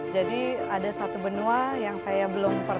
jadi ada satu benua yang saya belum pernah lihat